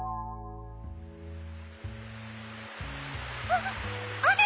あっ雨！